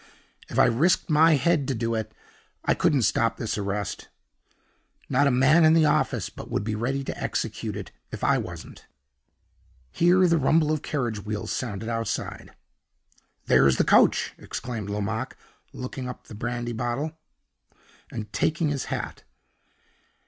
If I risked my head to do it, I couldn't stop this arrest. Not a man in the office but would be ready to execute it, if I wasn't." Here the rumble of carriage wheels sounded outside. "There's the coach!" exclaimed Lomaque, locking up the brandy bottle, and taking his hat.